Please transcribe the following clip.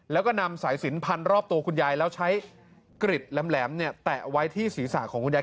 แล้วก็นำสายสินพันรอบตัวคุณยายแล้วใช้กริดแหลมเนี่ยแตะไว้ที่ศีรษะของคุณยาย